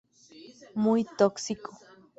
Muy tóxico.